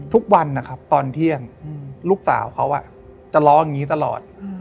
ทุกวันนะครับตอนเที่ยงลูกสาวเขาจะร้องอย่างนี้ตลอด